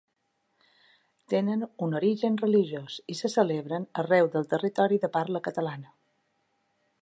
Tenen un origen religiós i se celebren arreu del territori de parla catalana.